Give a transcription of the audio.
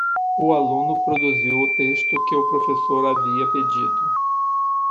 O aluno produziu o texto que o professor havia pedido.